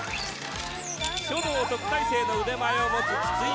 書道特待生の腕前を持つ筒井